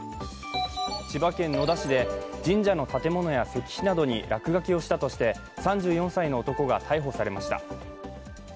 千葉県野田市で神社の建物や石碑などに落書きをしたとして３４歳の男が逮捕されました。